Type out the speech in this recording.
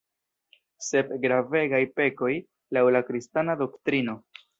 Sep gravegaj pekoj, laŭ la kristana doktrino.